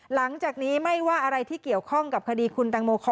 หลังจากนี้ไม่ว่าอะไรที่เกี่ยวข้องกับคดีคุณตังโมคอ